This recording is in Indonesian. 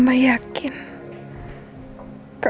kamu adalah buat cinta mama dan papa